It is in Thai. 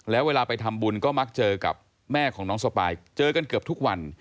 แล้วเวลาไปทำบุญก็มักเจอกับแม่ของน้องสปายเจอกันเกือบทุกวัน